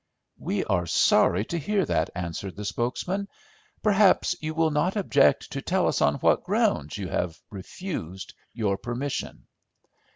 "We are sorry to hear that," answered the spokesman. "Perhaps you will not object to tell us on what grounds you have refused your permission?"